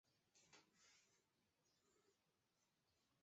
希腊王国因此否认阿尔巴尼亚民族的独立地位。